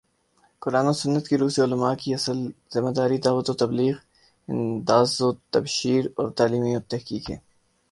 قرآن و سنت کی رو سے علما کی اصل ذمہ داری دعوت و تبلیغ، انذار و تبشیر اور تعلیم و تحقیق ہے